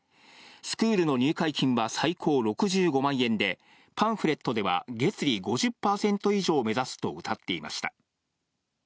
スクールの入会金は最高６５万円で、パンフレットでは月利５０％以上を目指すとうたっていました。